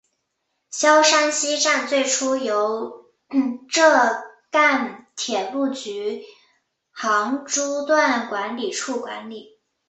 萧山西站最初由浙赣铁路局杭诸段管理处管理。